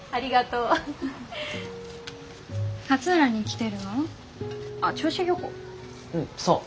うんそう。